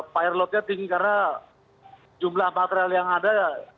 fire loadnya tinggi karena jumlah material yang ada